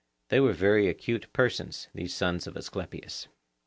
They were very acute persons, those sons of Asclepius.